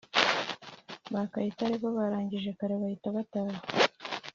Ba kayitare bo barangije kare bahita bataha